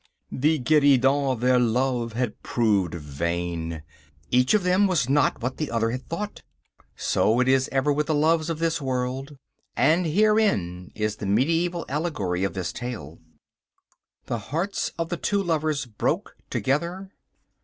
The guerdon of their love had proved vain. Each of them was not what the other had thought. So it is ever with the loves of this world, and herein is the medieval allegory of this tale. The hearts of the two lovers broke together.